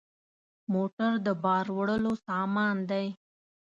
موټر د بار وړلو سامان دی.